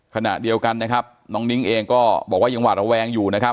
ขณะเดียวกันนะครับน้องนิ้งเองก็บอกว่ายังหวาดระแวงอยู่นะครับ